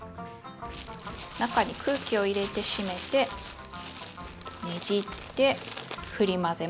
中に空気を入れて閉めてねじってふり混ぜます。